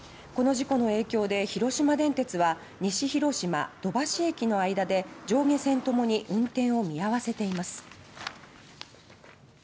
この事故の影響で広島電鉄は西広島・土橋駅の間で上下線ともに運転を見合わせています。